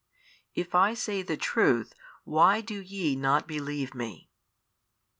If I say the truth, why do ye not believe Me?